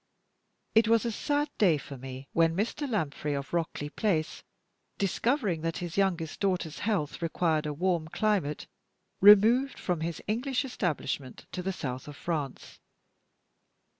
It was a sad day for me when Mr. Lanfray, of Rockleigh Place, discovering that his youngest daughter's health required a warm climate, removed from his English establishment to the South of France.